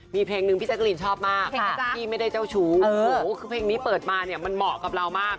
มีเพลงนึงพี่แจ๊กรีนชอบมากพี่ไม่ได้เจ้าชู้โอ้โหคือเพลงนี้เปิดมาเนี่ยมันเหมาะกับเรามาก